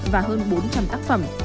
và hơn bốn trăm linh tác phẩm